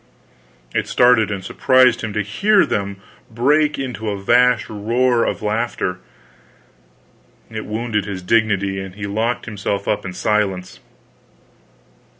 It startled and surprised him to hear them break into a vast roar of laughter. It wounded his dignity, and he locked himself up in silence.